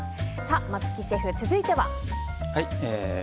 松木シェフ、続いては？